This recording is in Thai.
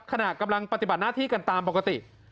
ขณะกำลังปฏิบัติหน้าที่กันตามปกติ